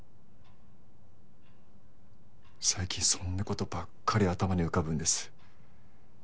最近そんなことばっかり頭に浮かぶんです。